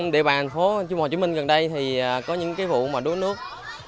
địa bàn thành phố hồ chí minh gần đây có những vụ đuối nước